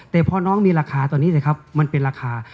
แต่พอน้องมีราคาตอนนี้สิครับมันเป็นราคา